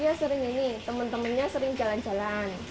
dia sering ini temen temennya sering jalan jalan